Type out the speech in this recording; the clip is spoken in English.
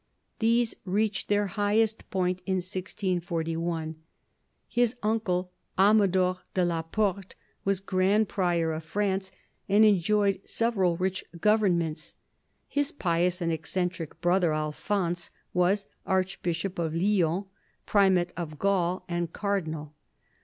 These reached their highest point in 1641. His uncle, Amador de la Porte, was Grand Prior of France, and enjoyed several rich governments. His pious and eccentric brother, Alphonse, was Archbishop of Lyons, Primate of Gaul, and Cardinal.